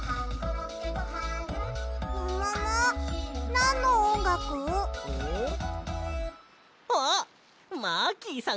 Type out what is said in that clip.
なんのおんがく？ん？